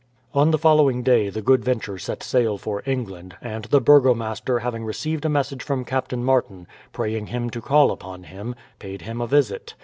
On the following day the Good Venture set sail for England, and the burgomaster having received a message from Captain Martin, praying him to call upon him, paid him a visit.